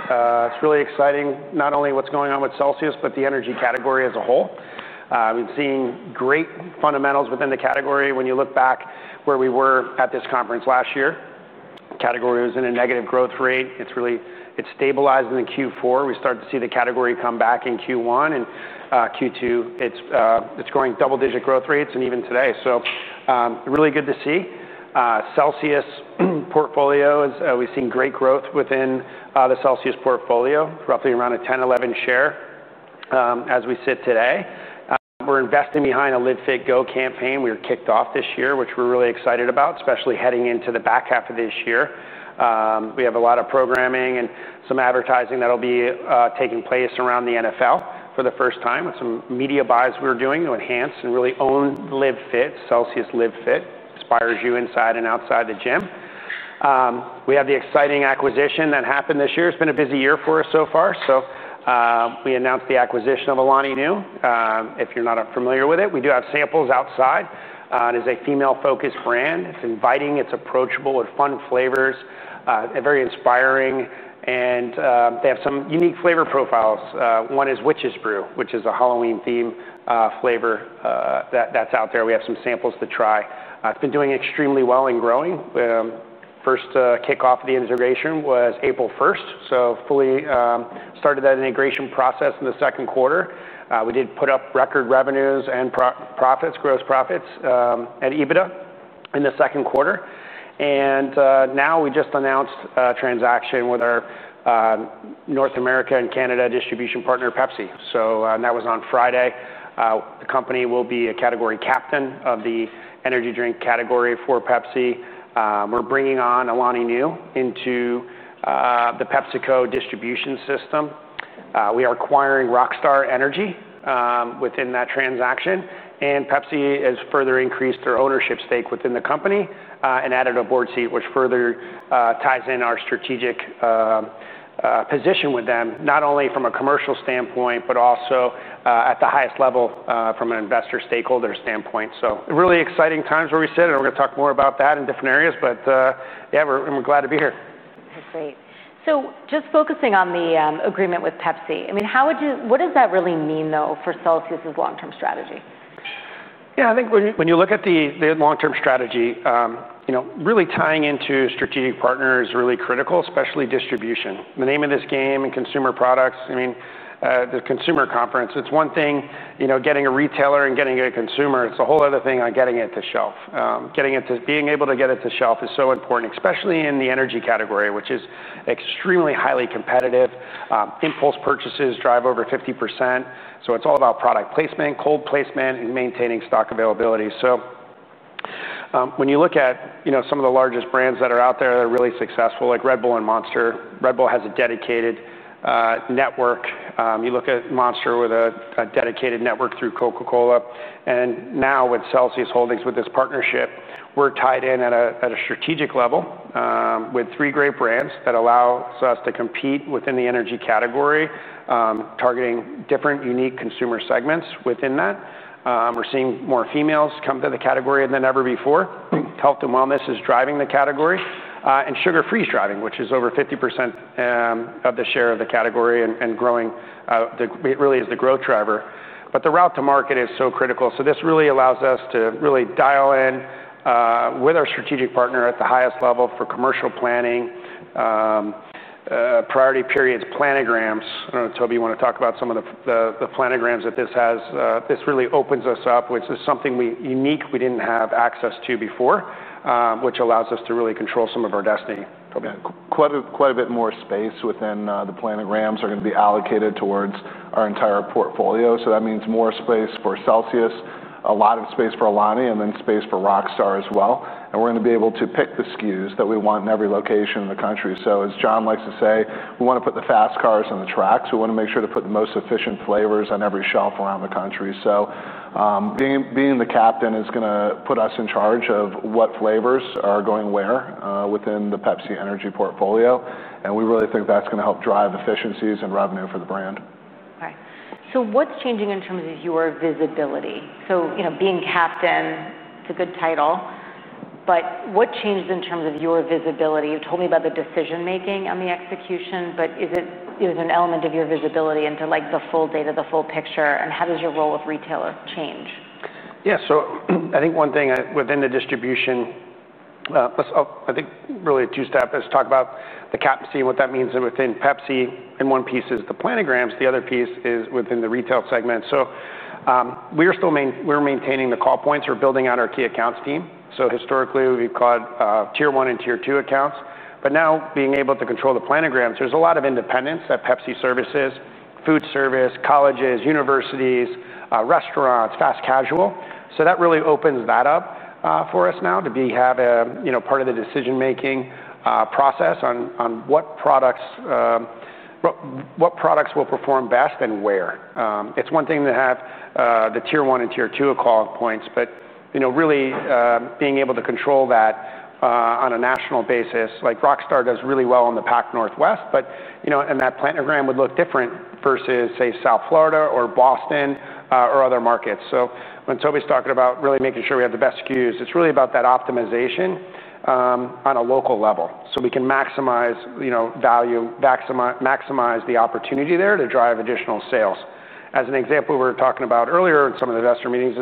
It's really exciting, not only what's going on with CELSIUS, but the energy category as a whole. We've seen great fundamentals within the category. When you look back where we were at this conference last year, the category was in a negative growth rate. It's really, it's stabilized in Q4. We started to see the category come back in Q1 and Q2. It's going double-digit growth rates and even today. Really good to see. CELSIUS portfolio, we've seen great growth within the CELSIUS portfolio, roughly around a 10, 11 share as we sit today. We're investing behind a LIVE. FIT. GO. campaign we kicked off this year, which we're really excited about, especially heading into the back half of this year. We have a lot of programming and some advertising that'll be taking place around the NFL for the first time with some media buys we're doing to enhance and really own the LIVE. FIT., CELSIUS LIVE. FIT., inspires you inside and outside the gym. We have the exciting acquisition that happened this year. It's been a busy year for us so far. We announced the acquisition of Alani Nu. If you're not familiar with it, we do have samples outside. It is a female-focused brand. It's inviting, it's approachable, with fun flavors, very inspiring, and they have some unique flavor profiles. One is Witches Brew, which is a Halloween-themed flavor that's out there. We have some samples to try. It's been doing extremely well and growing. First kickoff of the integration was April 1st. Fully started that integration process in the second quarter. We did put up record revenues and profits, gross profits, and EBITDA in the second quarter. Now we just announced a transaction with our North America and Canada distribution partner, Pepsi. That was on Friday. The company will be a category captain of the energy drink category for Pepsi. We're bringing on Alani Nu into the PepsiCo distribution system. We are acquiring Rockstar Energy within that transaction, and Pepsi has further increased their ownership stake within the company and added a board seat, which further ties in our strategic position with them, not only from a commercial standpoint, but also at the highest level from an investor stakeholder standpoint. Really exciting times where we sit, and we're going to talk more about that in different areas, but yeah, we're glad to be here. That's great. Just focusing on the agreement with Pepsi, what does that really mean though for CELSIUS' long-term strategy? Yeah, I think when you look at the long-term strategy, you know, really tying into strategic partners is really critical, especially distribution. The name of this game in consumer products, I mean, the consumer conference, it's one thing, you know, getting a retailer and getting it to a consumer. It's a whole other thing on getting it to shelf. Getting it to, being able to get it to shelf is so important, especially in the energy category, which is extremely highly competitive. Impulse purchases drive over 50%. It's all about product placement, cold placement, and maintaining stock availability. When you look at, you know, some of the largest brands that are out there, they're really successful, like Red Bull and Monster. Red Bull has a dedicated network. You look at Monster with a dedicated network through Coca-Cola. Now with CELSIUS Holdings, with this partnership, we're tied in at a strategic level with three great brands that allow us to compete within the energy category, targeting different unique consumer segments within that. We're seeing more females come to the category than ever before. [Kaltame] is driving the category, and sugar-free is driving, which is over 50% of the share of the category and growing. It really is the growth driver. The route to market is so critical. This really allows us to really dial in with our strategic partner at the highest level for commercial planning, priority periods, planograms. I don't know, Toby, you want to talk about some of the planograms that this has? This really opens us up, which is something unique we didn't have access to before, which allows us to really control some of our destiny. Quite a bit more space within the planograms is going to be allocated towards our entire portfolio. That means more space for CELSIUS, a lot of space for Alani, and then space for Rockstar as well. We're going to be able to pick the SKUs that we want in every location in the country. As John likes to say, we want to put the fast cars on the tracks. We want to make sure to put the most efficient flavors on every shelf around the country. Being the category captain is going to put us in charge of what flavors are going where within the Pepsi-Energy portfolio. We really think that's going to help drive efficiencies and revenue for the brand. What is changing in terms of your visibility? Being captain, it's a good title, but what changed in terms of your visibility? You told me about the decision-making on the execution, but is it an element of your visibility into the full data, the full picture, and how does your role of retailer change? Yeah, so I think one thing within the distribution, I think really two steps. Let's talk about the captaincy and what that means within Pepsi. One piece is the planograms. The other piece is within the retail segment. We're maintaining the call points. We're building out our key accounts team. Historically, we've called Tier 1 and Tier 2 accounts. Now, being able to control the planograms, there's a lot of independence at Pepsi services, food service, colleges, universities, restaurants, fast casual. That really opens that up for us now to be part of the decision-making process on what products will perform best and where. It's one thing to have the Tier 1 and Tier 2 call points, but really being able to control that on a national basis, like Rockstar does really well in the Pac Northwest. That planogram would look different versus, say, South Florida or Boston or other markets. When Toby's talking about really making sure we have the best SKUs, it's really about that optimization on a local level. We can maximize value, maximize the opportunity there to drive additional sales. As an example, we were talking about earlier in some of the investor meetings,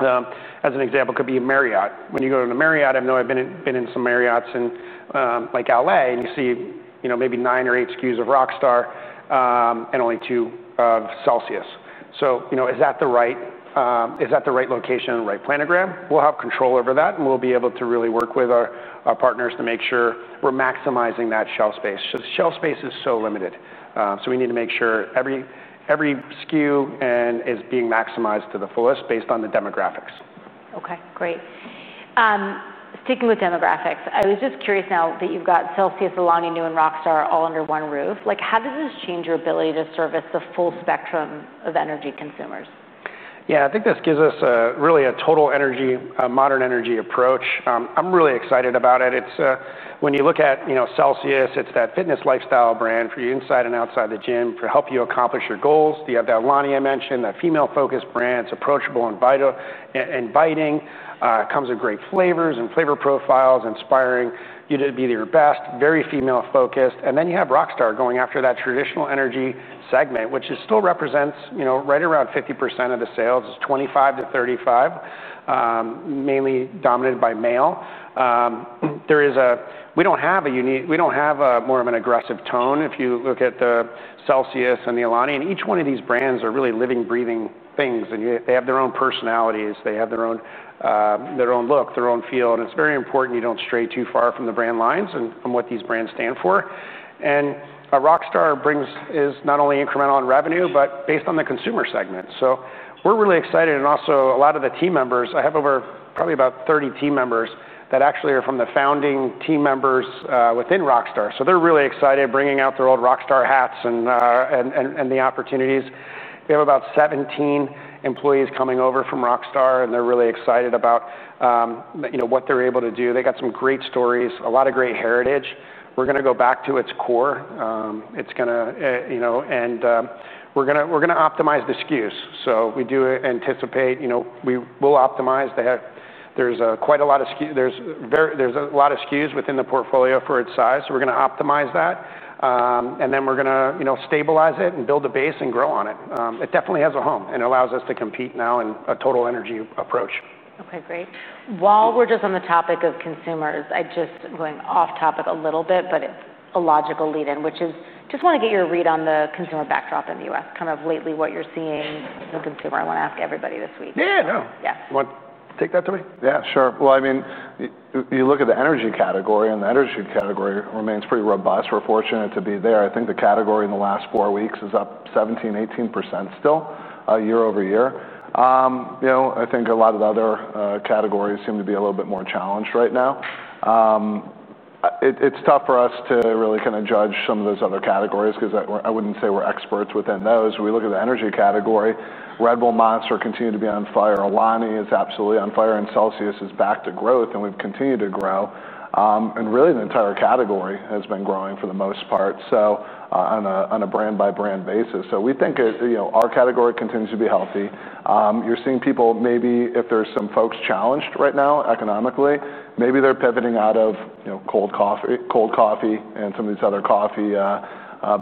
as an example, could be Marriott. When you go to the Marriott, I know I've been in some Marriotts in L.A., and you see maybe nine or eight SKUs of Rockstar and only two of CELSIUS. Is that the right location and the right planogram? We'll have control over that, and we'll be able to really work with our partners to make sure we're maximizing that shelf space. Shelf space is so limited. We need to make sure every SKU is being maximized to the fullest based on the demographics. Okay, great. Sticking with demographics, I was just curious now that you've got CELSIUS, Alani Nu, and Rockstar all under one roof. How does this change your ability to service the full spectrum of energy consumers? Yeah, I think this gives us really a total energy, modern energy approach. I'm really excited about it. It's, when you look at, you know, CELSIUS, it's that fitness lifestyle brand for you inside and outside the gym to help you accomplish your goals. You have that Alani I mentioned, that female-focused brand. It's approachable and inviting. It comes with great flavors and flavor profiles, inspiring you to be your best, very female-focused. Then you have Rockstar going after that traditional energy segment, which still represents, you know, right around 50% of the sales. It's 25-35, mainly dominated by male. We don't have a unique, we don't have a more of an aggressive tone if you look at the CELSIUS and the Alani Nu. Each one of these brands are really living, breathing things, and they have their own personalities, they have their own look, their own feel. It's very important you don't stray too far from the brand lines and what these brands stand for. Rockstar is not only incremental in revenue, but based on the consumer segment. We're really excited. Also, a lot of the team members, I have over probably about 30 team members that actually are from the founding team members within Rockstar. They're really excited, bringing out their old Rockstar hats and the opportunities. We have about 17 employees coming over from Rockstar, and they're really excited about, you know, what they're able to do. They got some great stories, a lot of great heritage. We're going to go back to its core. It's going to, you know, and we're going to optimize the SKUs. We do anticipate, you know, we will optimize to have, there's quite a lot of SKUs, there's a lot of SKUs within the portfolio for its size. We're going to optimize that. We're going to, you know, stabilize it and build a base and grow on it. It definitely has a home and allows us to compete now in a total energy approach. Okay, great. While we're just on the topic of consumers, it's a logical lead-in, which is, just want to get your read on the consumer backdrop in the U.S., kind of lately what you're seeing in the consumer. I want to ask everybody this week. Yeah, take that, Toby. Yeah, sure. You look at the energy category, and the energy category remains pretty robust. We're fortunate to be there. I think the category in the last four weeks is up 17%-18% year-over-year. I think a lot of the other categories seem to be a little bit more challenged right now. It's tough for us to really kind of judge some of those other categories because I wouldn't say we're experts within those. We look at the energy category. Red Bull, Monster continue to be on fire. Alani is absolutely on fire, and CELSIUS is back to growth, and we've continued to grow. Really, the entire category has been growing for the most part on a brand-by-brand basis. We think our category continues to be healthy. You're seeing people, maybe if there's some folks challenged right now economically, maybe they're pivoting out of cold coffee and some of these other coffee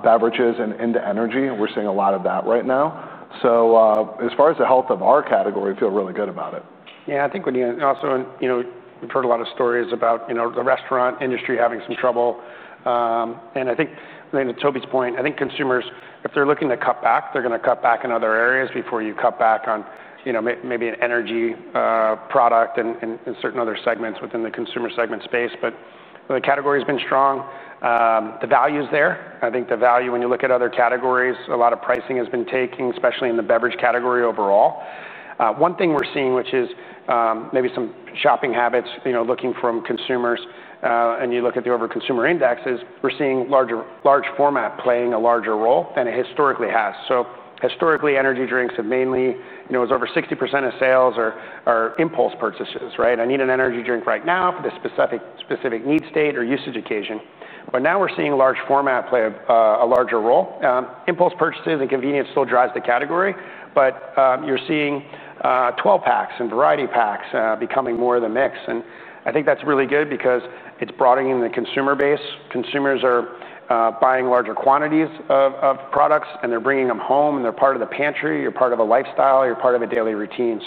beverages and into energy. We're seeing a lot of that right now. As far as the health of our category, I feel really good about it. Yeah, I think when you also, you know, we've heard a lot of stories about, you know, the restaurant industry having some trouble. I think to Toby's point, I think consumers, if they're looking to cut back, they're going to cut back in other areas before you cut back on, you know, maybe an energy product and certain other segments within the consumer segment space. The category has been strong. The value is there. I think the value, when you look at other categories, a lot of pricing has been taken, especially in the beverage category overall. One thing we're seeing, which is maybe some shopping habits, you know, looking from consumers, and you look at the over-consumer indexes, we're seeing large format playing a larger role than it historically has. Historically, energy drinks have mainly, you know, it was over 60% of sales are impulse purchases, right? I need an energy drink right now for this specific need state or usage occasion. Now we're seeing large format play a larger role. Impulse purchases and convenience still drive the category, but you're seeing 12-packs and variety packs becoming more of the mix. I think that's really good because it's broadening the consumer base. Consumers are buying larger quantities of products, and they're bringing them home, and they're part of the pantry. You're part of the lifestyle. You're part of the daily routine.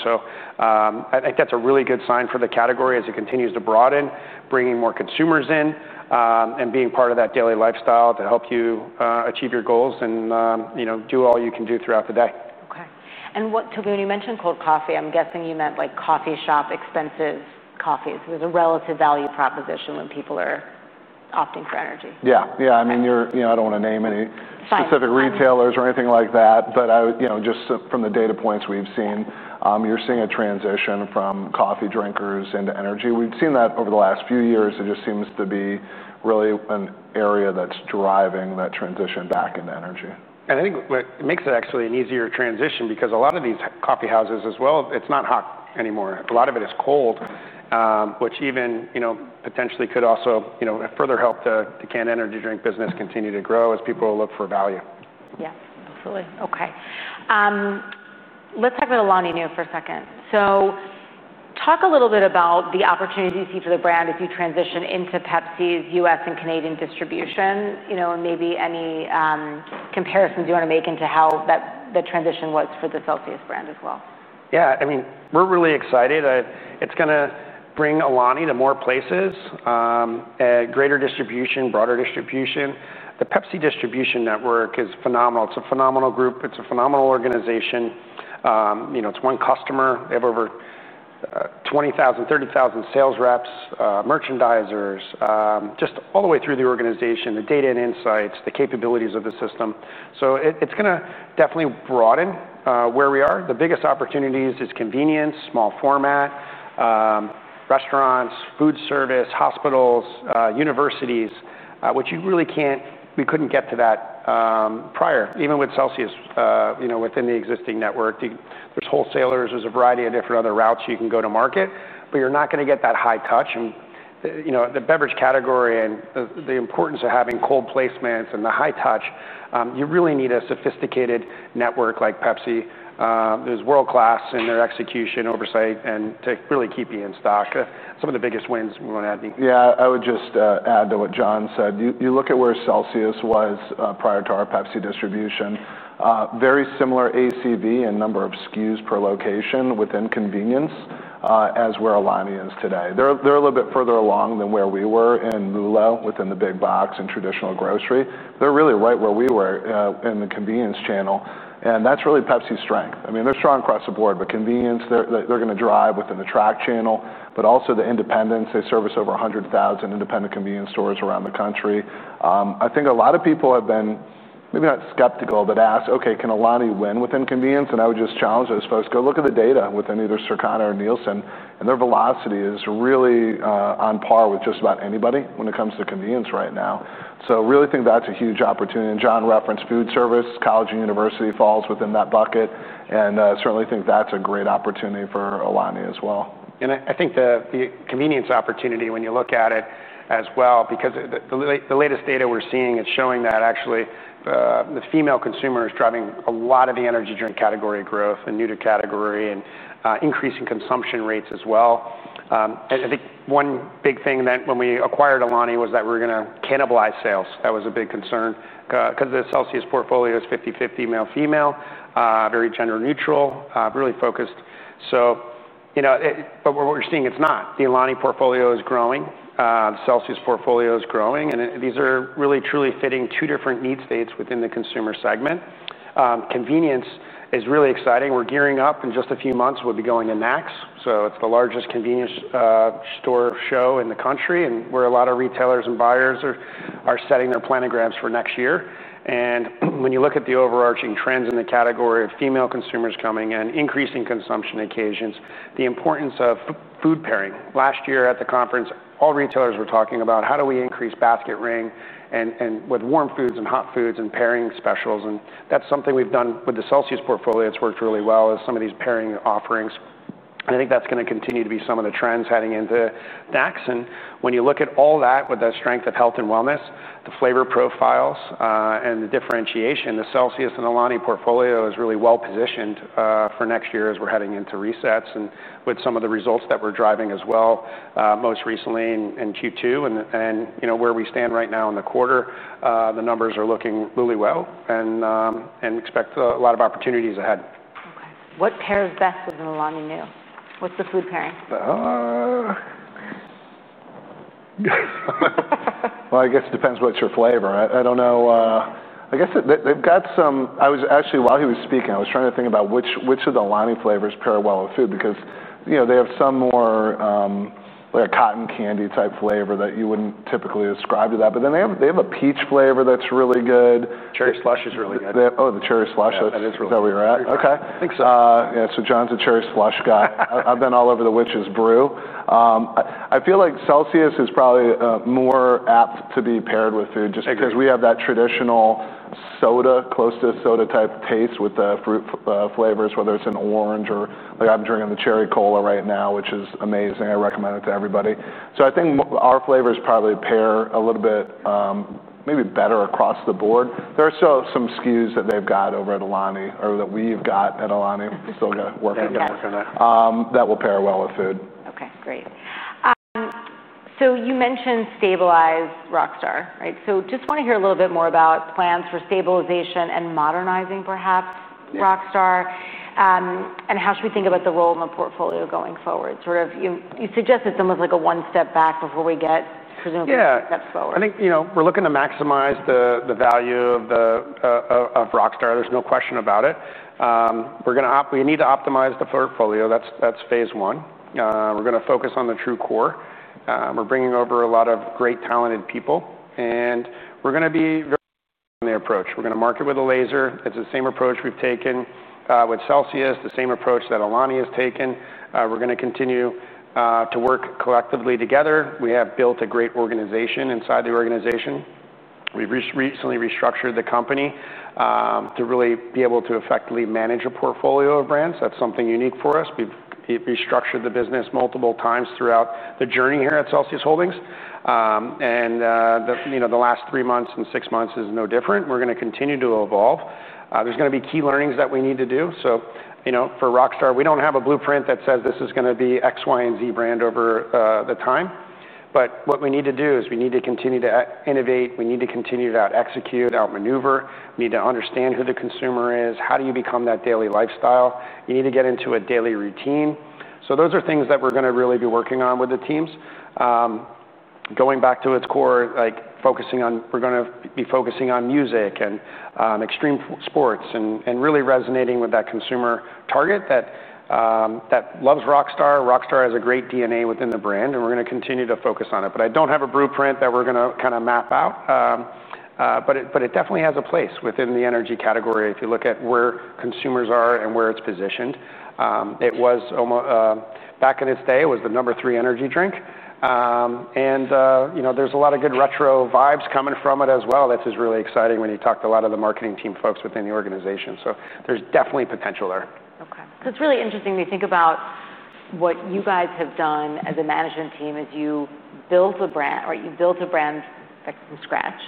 I think that's a really good sign for the category as it continues to broaden, bringing more consumers in, and being part of that daily lifestyle to help you achieve your goals and, you know, do all you can do throughout the day. Okay. Toby, when you mentioned cold coffee, I'm guessing you meant like coffee shop expensive coffee. There's a relative value proposition when people are opting for energy. Yeah. I mean, you're, you know, I don't want to name any specific retailers or anything like that, but just from the data points we've seen, you're seeing a transition from coffee drinkers into energy. We've seen that over the last few years. It just seems to be really an area that's driving that transition back into energy. I think it makes it actually an easier transition because a lot of these coffee houses as well, it's not hot anymore. A lot of it is cold, which even, you know, potentially could also, you know, further help the canned energy drink business continue to grow as people look for value. Yes, absolutely. Okay. Let's talk about Alani Nu for a second. Talk a little bit about the opportunities you see for the brand as you transition into Pepsi's U.S. and Canadian distribution, you know, and maybe any comparisons you want to make into how that transition looks for the CELSIUS brand as well. Yeah, I mean, we're really excited. It's going to bring Alani to more places, greater distribution, broader distribution. The Pepsi distribution network is phenomenal. It's a phenomenal group. It's a phenomenal organization. You know, it's one customer. They have over 20,000, 30,000 sales reps, merchandisers, just all the way through the organization, the data and insights, the capabilities of the system. It's going to definitely broaden where we are. The biggest opportunities are convenience, small format, restaurants, food service, hospitals, universities, which you really can't, we couldn't get to that prior, even with CELSIUS, within the existing network. There are wholesalers. There's a variety of different other routes you can go to market, but you're not going to get that high touch. The beverage category and the importance of having cold placements and the high touch, you really need a sophisticated network like Pepsi. They're world-class in their execution, oversight, and to really keep you in stock. Some of the biggest wins we want to add to. Yeah, I would just add to what John said. You look at where CELSIUS was prior to our Pepsi distribution, very similar ACV and number of SKUs per location within convenience as where Alani is today. They're a little bit further along than where we were in [LULA], within the big box and traditional grocery. They're really right where we were in the convenience channel. That's really Pepsi's strength. I mean, they're strong across the board, but convenience, they're going to drive within the track channel, but also the independents. They service over 100,000 independent convenience stores around the country. I think a lot of people have been maybe not skeptical, but ask, okay, can Alani win within convenience? I would just challenge it, I suppose, go look at the data within either Circana or Nielsen. Their velocity is really on par with just about anybody when it comes to convenience right now. I really think that's a huge opportunity. John referenced food service, college and university falls within that bucket. I certainly think that's a great opportunity for Alani as well. I think the convenience opportunity, when you look at it as well, because the latest data we're seeing, it's showing that actually the female consumer is driving a lot of the energy drink category growth and new to category and increasing consumption rates as well. I think one big thing that when we acquired Alani was that we were going to cannibalize sales. That was a big concern because the CELSIUS portfolio is 50-50, male-female, very gender neutral, really focused. What we're seeing, it's not. The Alani portfolio is growing. The CELSIUS portfolio is growing. These are really truly fitting two different need states within the consumer segment. Convenience is really exciting. We're gearing up in just a few months. We'll be going to NACS. It's the largest convenience store show in the country, where a lot of retailers and buyers are setting their planograms for next year. When you look at the overarching trends in the category of female consumers coming in, increasing consumption occasions, the importance of food pairing. Last year at the conference, all retailers were talking about how do we increase basket ring with warm foods and hot foods and pairing specials. That's something we've done with the CELSIUS portfolio. It's worked really well as some of these pairing offerings. I think that's going to continue to be some of the trends heading into NACS. When you look at all that, with the strength of health and wellness, the flavor profiles, and the differentiation, the CELSIUS and Alani portfolio is really well positioned for next year as we're heading into resets and with some of the results that we're driving as well, most recently in Q2. Where we stand right now in the quarter, the numbers are looking really well. We expect a lot of opportunities ahead. Okay. What pairs best with an Alani Nu? What's the food pairing? I guess it depends what's your flavor. I don't know. I guess they've got some, I was actually, while he was speaking, trying to think about which of the Alani flavors pair well with food because, you know, they have some more, like a cotton candy type flavor that you wouldn't typically ascribe to that. They have a peach flavor that's really good. Cherry Slush is really good. Oh, the Cherry Slush. That is really good. Is that where you're at? Okay. I think so. Yeah, so John’s a Cherry Slush guy. I’ve been all over the Witche's Brew. I feel like CELSIUS is probably more apt to be paired with food just because we have that traditional soda, close to soda-type taste with the fruit flavors, whether it’s an orange or like I’m drinking the Cherry Cola right now, which is amazing. I recommend it to everybody. I think our flavors probably pair a little bit, maybe better across the board. There are still some SKUs that they’ve got over at Alani or that we’ve got at Alani. Still working on that. That will pair well with food. Okay, great. You mentioned stabilize Rockstar, right? I just want to hear a little bit more about plans for stabilization and modernizing, perhaps, Rockstar. How should we think about the role in the portfolio going forward? You suggest it's almost like a one step back before we get presumably a step forward. Yeah, I think, you know, we're looking to maximize the value of Rockstar. There's no question about it. We're going to, we need to optimize the portfolio. That's phase one. We're going to focus on the true core. We're bringing over a lot of great talented people, and we're going to be very clear in the approach. We're going to market with a laser. It's the same approach we've taken with CELSIUS, the same approach that Alani has taken. We're going to continue to work collectively together. We have built a great organization inside the organization. We recently restructured the company to really be able to effectively manage a portfolio of brands. That's something unique for us. We've restructured the business multiple times throughout the journey here at CELSIUS Holdings, and the last three months and six months are no different. We're going to continue to evolve. There are going to be key learnings that we need to do. For Rockstar, we don't have a blueprint that says this is going to be X, Y, and Z brand over the time. What we need to do is we need to continue to innovate. We need to continue to execute, outmaneuver. We need to understand who the consumer is. How do you become that daily lifestyle? You need to get into a daily routine. Those are things that we're going to really be working on with the teams. Going back to its core, like focusing on, we're going to be focusing on music and extreme sports and really resonating with that consumer target that loves Rockstar. Rockstar has a great DNA within the brand, and we're going to continue to focus on it. I don't have a blueprint that we're going to kind of map out, but it definitely has a place within the energy category. If you look at where consumers are and where it's positioned, it was almost back in its day, it was the number three energy drink. There are a lot of good retro vibes coming from it as well. That's just really exciting when you talk to a lot of the marketing team folks within the organization. There's definitely potential there. Okay. It's really interesting to think about what you guys have done as a management team as you built a brand or you built a brand from scratch.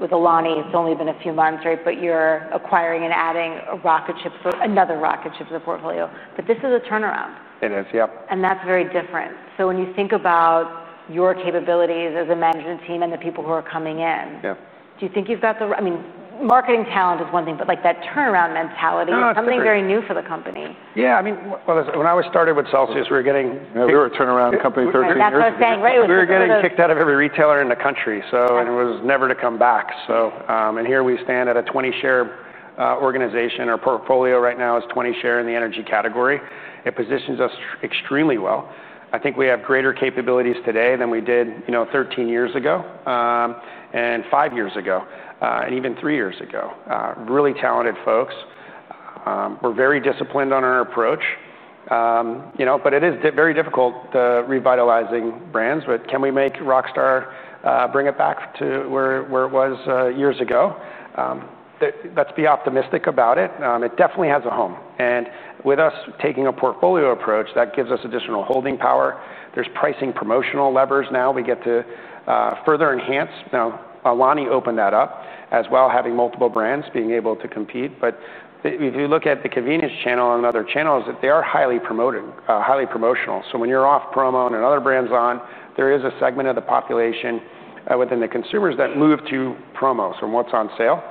With Alani, it's only been a few months, right? You're acquiring and adding a rocket ship, another rocket ship to the portfolio. This is a turnaround. It is, yep. That is very different. When you think about your capabilities as a management team and the people who are coming in, do you think you've got the, I mean, marketing talent is one thing, but that turnaround mentality is something very new for the company. Yeah, I mean, when I was starting with CELSIUS, we were getting, you know, we were a turnaround company for three years. Yeah, that's what I was saying. We were getting kicked out of every retailer in the country, and it was never to come back. Here we stand at a 20% share organization. Our portfolio right now is 20% share in the energy category. It positions us extremely well. I think we have greater capabilities today than we did 13 years ago, five years ago, and even three years ago. Really talented folks. We're very disciplined on our approach. It is very difficult revitalizing brands. Can we make Rockstar bring it back to where it was years ago? Let's be optimistic about it. It definitely has a home. With us taking a portfolio approach, that gives us additional holding power. There are pricing promotional levers now. We get to further enhance. Alani Nu opened that up as well, having multiple brands being able to compete. If you look at the convenience channel and other channels, they are highly promoting, highly promotional. When you're off promo and another brand's on, there is a segment of the population within the consumers that move to promos from what's on sale.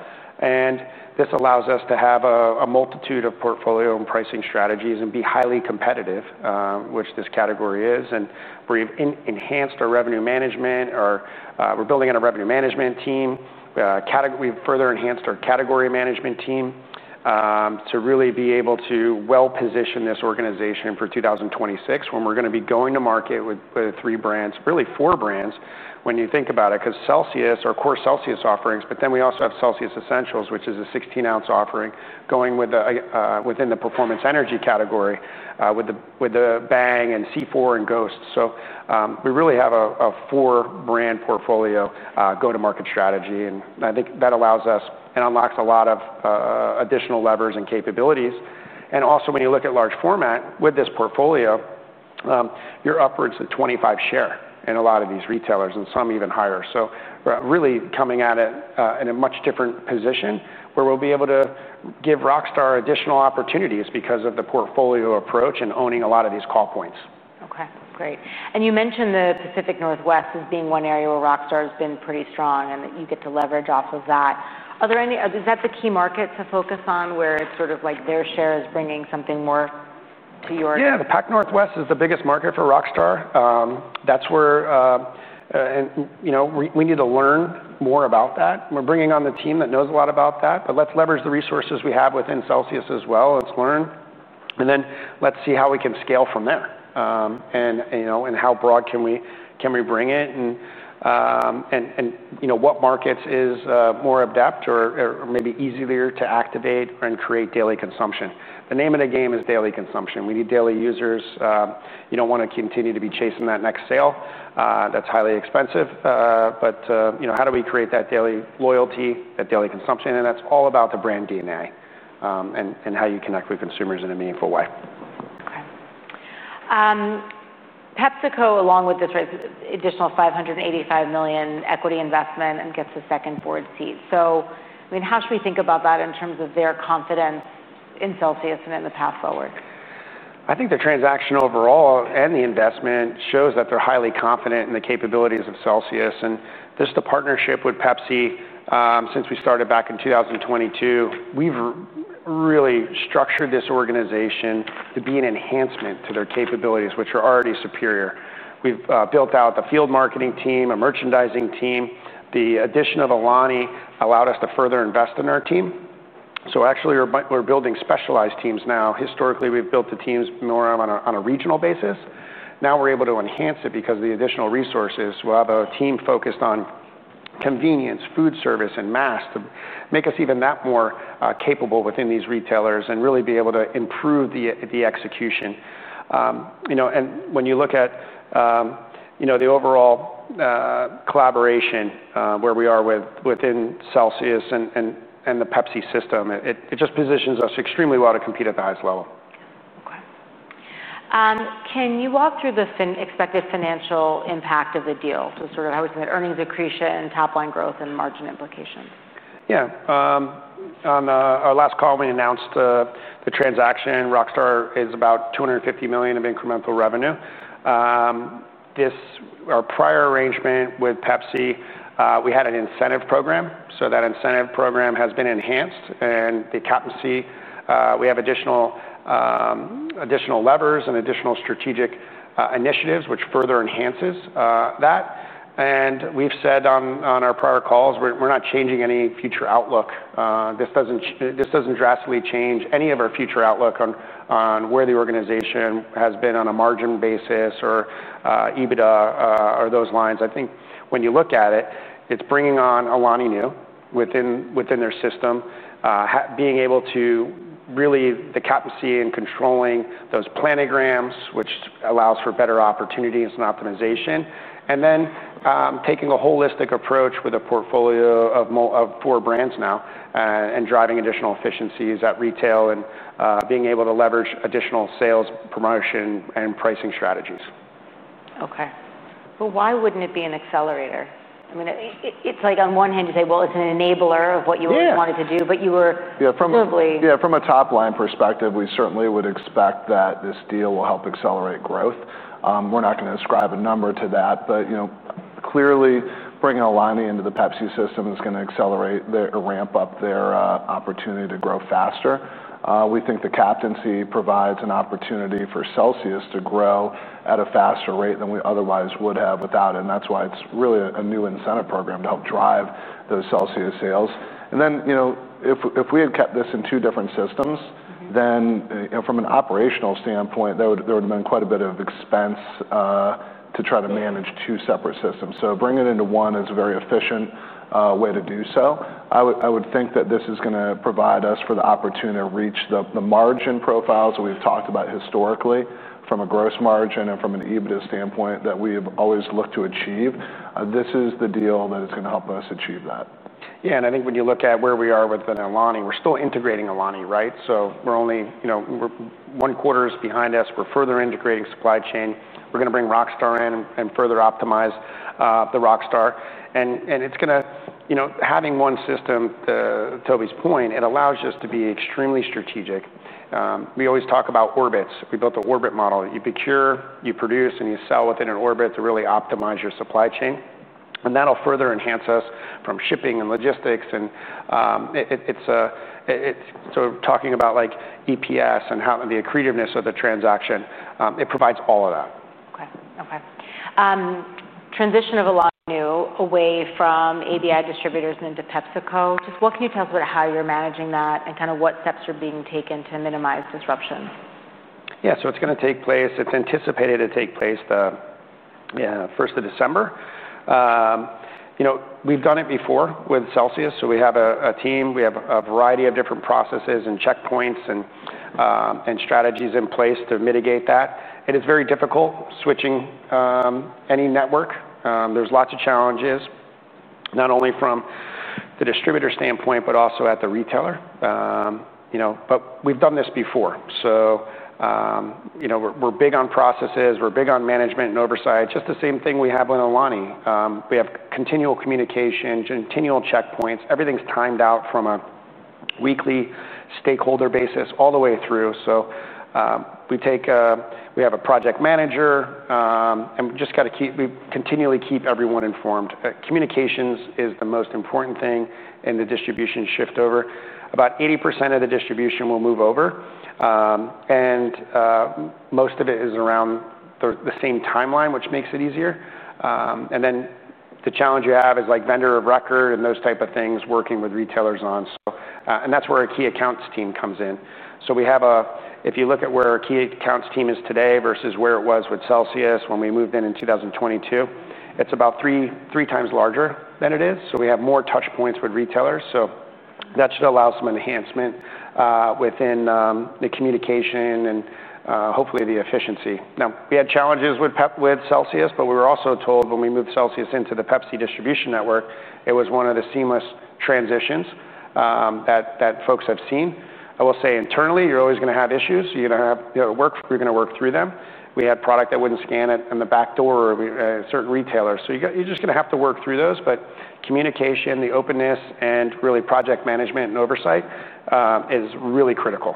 This allows us to have a multitude of portfolio and pricing strategies and be highly competitive, which this category is. We've enhanced our revenue management. We're building in a revenue management team. We've further enhanced our category management team to really be able to well position this organization for 2026 when we're going to be going to market with three brands, really four brands, when you think about it, because CELSIUS, our core CELSIUS offerings, but then we also have CELSIUS ESSENTIALS, which is a 16-ounce offering going within the performance energy category with Bang and C4 and GHOST. We really have a four-brand portfolio go-to-market strategy. I think that allows us and unlocks a lot of additional levers and capabilities. Also, when you look at large format with this portfolio, you're upwards of 25% share in a lot of these retailers and some even higher. We're really coming at it in a much different position where we'll be able to give Rockstar additional opportunities because of the portfolio approach and owning a lot of these call points. Okay, great. You mentioned the Pacific Northwest as being one area where Rockstar has been pretty strong and that you get to leverage off of that. Is that the key market to focus on where it's sort of like their share is bringing something more to your? Yeah, the Pac Northwest is the biggest market for Rockstar. That's where, and we need to learn more about that. We're bringing on the team that knows a lot about that, but let's leverage the resources we have within CELSIUS as well. Let's learn, and then let's see how we can scale from there. You know, how broad can we bring it and what markets are more adept or maybe easier to activate and create daily consumption. The name of the game is daily consumption. We need daily users. You don't want to continue to be chasing that next sale that's highly expensive. You know, how do we create that daily loyalty, that daily consumption? That's all about the brand DNA and how you connect with consumers in a meaningful way. Okay. PepsiCo, along with this additional $585 million equity investment, gets a second board seat. How should we think about that in terms of their confidence in CELSIUS and in the path forward? I think their transaction overall and the investment shows that they're highly confident in the capabilities of CELSIUS. Just the partnership with Pepsi since we started back in 2022, we've really structured this organization to be an enhancement to their capabilities, which are already superior. We've built out the field marketing team, a merchandising team. The addition of Alani allowed us to further invest in our team. We're building specialized teams now. Historically, we've built the teams more on a regional basis. Now we're able to enhance it because of the additional resources. We'll have a team focused on convenience, food service, and mass to make us even that more capable within these retailers and really be able to improve the execution. When you look at the overall collaboration where we are within CELSIUS and the Pepsi system, it just positions us extremely well to compete at the highest level. Okay. Can you walk through the expected financial impact of the deal? How would you say earnings accretion, top-line growth, and margin implications? Yeah. On our last call, we announced the transaction. Rockstar is about $250 million of incremental revenue. Our prior arrangement with Pepsi, we had an incentive program. That incentive program has been enhanced. The captaincy, we have additional levers and additional strategic initiatives, which further enhances that. We've said on our prior calls, we're not changing any future outlook. This doesn't drastically change any of our future outlook on where the organization has been on a margin profile or EBITDA or those lines. I think when you look at it, it's bringing on Alani Nu within their system, being able to really the captaincy in controlling those planograms, which allows for better opportunities and optimization. Taking a holistic approach with a portfolio approach of four brands now and driving additional efficiencies at retail and being able to leverage additional sales, promotion, and pricing strategies. Okay. Why wouldn't it be an accelerator? It's like on one hand you say it's an enabler of what you wanted to do, but you were presumably. Yeah, from a top-line perspective, we certainly would expect that this deal will help accelerate growth. We're not going to ascribe a number to that, but, you know, clearly bringing Alani into the Pepsi system is going to accelerate the ramp up their opportunity to grow faster. We think the captaincy provides an opportunity for CELSIUS to grow at a faster rate than we otherwise would have without it. That's why it's really a new incentive program to help drive those CELSIUS sales. If we had kept this in two different systems, then, you know, from an operational standpoint, there would have been quite a bit of expense to try to manage two separate systems. Bringing it into one is a very efficient way to do so. I would think that this is going to provide us the opportunity to reach the margin profile that we've talked about historically from a gross margin and from an EBITDA standpoint that we've always looked to achieve. This is the deal that is going to help us achieve that. Yeah, and I think when you look at where we are within Alani, we're still integrating Alani, right? We're only, you know, one quarter is behind us. We're further integrating supply chain. We're going to bring Rockstar in and further optimize the Rockstar. It's going to, you know, having one system, to Toby's point, it allows us to be extremely strategic. We always talk about orbits. We built an orbit model. You procure, you produce, and you sell within an orbit to really optimize your supply chain. That'll further enhance us from shipping and logistics. It's talking about like EPS and how the accretiveness of the transaction. It provides all of that. Okay. Okay. Transition of Alani Nu away from ABI distributors and into PepsiCo. Just what can you tell us about how you're managing that and kind of what steps are being taken to minimize disruption? Yeah, so it's going to take place. It's anticipated to take place the 1st of December. We've done it before with CELSIUS. We have a team. We have a variety of different processes and checkpoints and strategies in place to mitigate that. It's very difficult switching any network. There are lots of challenges, not only from the distributor standpoint, but also at the retailer. We've done this before. We're big on processes. We're big on management and oversight. Just the same thing we have on Alani. We have continual communication, continual checkpoints. Everything's timed out from a weekly stakeholder basis all the way through. We have a project manager, and we continually keep everyone informed. Communication is the most important thing in the distribution shiftover. About 80% of the distribution will move over. Most of it is around the same timeline, which makes it easier. The challenge you have is like vendor of record and those types of things working with retailers on. That's where a key accounts team comes in. If you look at where a key accounts team is today versus where it was with CELSIUS when we moved in in 2022, it's about three times larger than it is. We have more touchpoints with retailers. That should allow some enhancement within the communication and hopefully the efficiency. We had challenges with CELSIUS, but we were also told when we moved CELSIUS into the Pepsi distribution network, it was one of the seamless transitions that folks have seen. I will say internally, you're always going to have issues. You're going to work through them. We had product that wouldn't scan in the back door of certain retailers. You're just going to have to work through those. Communication, the openness, and really project management and oversight is really critical.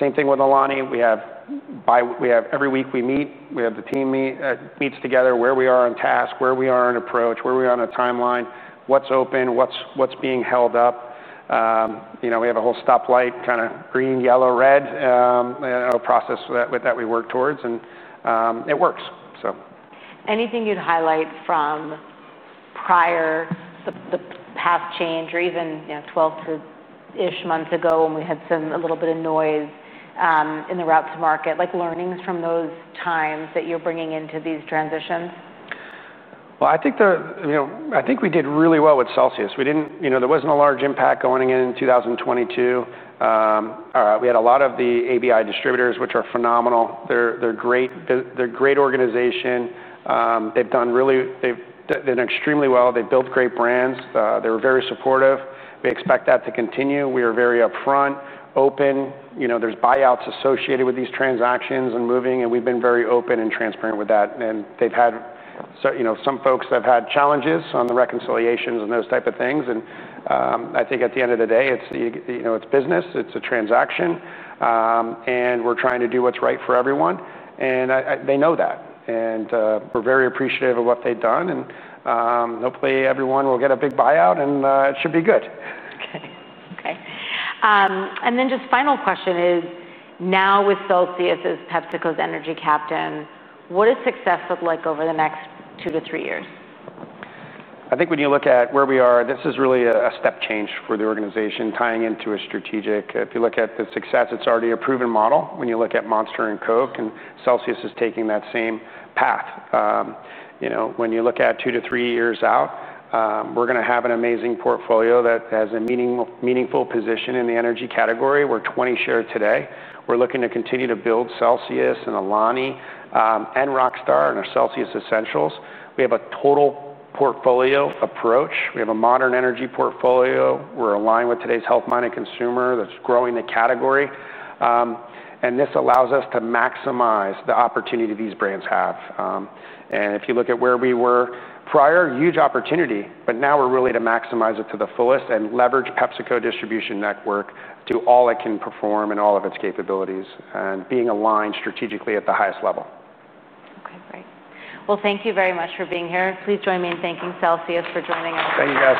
Same thing with Alani. Every week we meet, we have the team meet together where we are on task, where we are on approach, where we are on a timeline, what's open, what's being held up. We have a whole stoplight, kind of green, yellow, red process that we work towards, and it works. Anything you'd highlight from prior to the path change or even, you know, 12-ish months ago when we had some a little bit of noise in the route to market, like learnings from those times that you're bringing into these transitions? I think we did really well with CELSIUS. There wasn't a large impact going in in 2022. We had a lot of the ABI distributors, which are phenomenal. They're great. They're a great organization. They've done really, they've done extremely well. They built great brands. They were very supportive. We expect that to continue. We are very upfront, open. There's buyouts associated with these transactions and moving, and we've been very open and transparent with that. They've had some folks that have had challenges on the reconciliations and those types of things. I think at the end of the day, it's business. It's a transaction. We're trying to do what's right for everyone. They know that. We're very appreciative of what they've done. Hopefully, everyone will get a big buyout, and it should be good. Okay. Okay. Just final question is, now with CELSIUS as PepsiCo's energy captain, what does success look like over the next two to three years? I think when you look at where we are, this is really a step change for the organization tying into a strategic, if you look at the success, it's already a proven model. When you look at Monster and Coke, and CELSIUS is taking that same path. You know, when you look at two to three years out, we're going to have an amazing portfolio that has a meaningful position in the energy category. We're 20% share today. We're looking to continue to build CELSIUS and Alani and Rockstar and our CELSIUS ESSENTIALS. We have a total portfolio approach. We have a modern energy portfolio. We're aligned with today's health-minded consumer that's growing the category. This allows us to maximize the opportunity these brands have. If you look at where we were prior, huge opportunity, but now we're really to maximize it to the fullest and leverage PepsiCo distribution network to all it can perform and all of its capabilities and being aligned strategically at the highest level. Okay, great. Thank you very much for being here. Please join me in thanking CELSIUS for joining us. Thank you, guys.